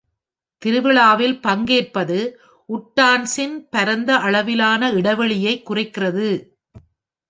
திருவிழாவில் பங்கேற்பது உட்டான்ஸின் பரந்த அளவிலான இடைவெளியைக் குறைக்கிறது.